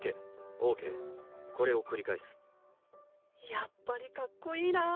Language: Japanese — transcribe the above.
やっぱりかっこいいな！